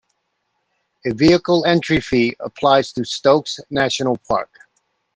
A vehicle entry fee applies to Stokes National Park.